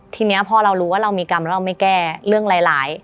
ทีนี้พอเรารู้ว่าเรามีกรรมแล้วเราไม่แก้เรื่องร้าย